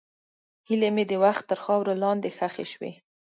هیلې مې د وخت تر خاورو لاندې ښخې شوې.